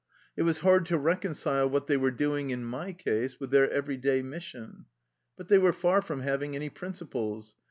It was hard to reconcile what they were doing in my case with their every day mis sion. But they were far from having any prin ciples.